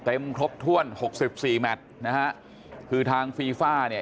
ครบถ้วนหกสิบสี่แมทนะฮะคือทางฟีฟ่าเนี่ย